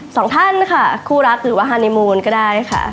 สองท่านค่ะคู่รักหรือว่าฮานีมูลก็ได้ค่ะ